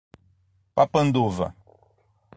Papanduva